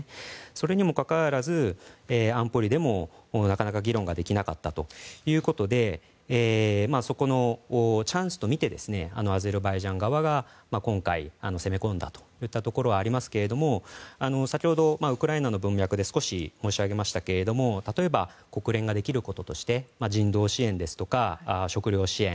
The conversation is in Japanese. それにもかかわらず安保理でも、なかなか議論ができなかったということでそこをチャンスと見てアゼルバイジャン側が今回攻め込んだといったところはありますけれども先ほどウクライナの文脈で少し申し上げましたが例えば、国連ができることとして人道支援ですとか、食糧支援